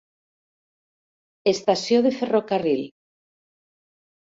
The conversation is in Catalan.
Estació de ferrocarril.